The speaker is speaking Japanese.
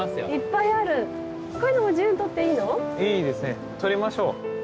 いいですねとりましょう。